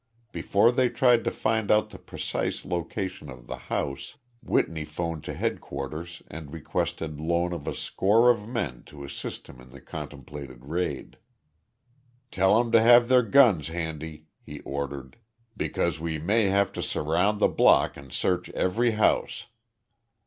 Before they tried to find out the precise location of the house, Whitney phoned to headquarters and requested loan of a score of men to assist him in the contemplated raid. "Tell 'em to have their guns handy," he ordered, "because we may have to surround the block and search every house."